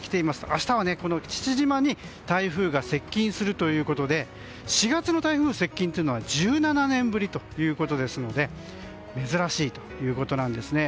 明日は父島に台風が接近するということで４月の台風接近は１７年ぶりということですので珍しいということですね。